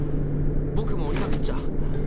僕も降りなくっちゃ！